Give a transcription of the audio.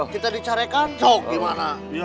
kita dicarekan sok gimana